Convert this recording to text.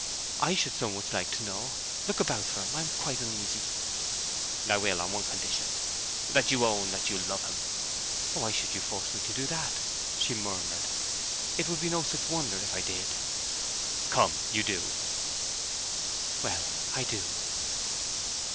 'I should so much like to know. Look about for him. I am quite uneasy!' 'I will, on one condition: that you own that you love him.' 'Why should you force me to that?' she murmured. 'It would be no such wonder if I did.' 'Come, you do.' 'Well, I do.'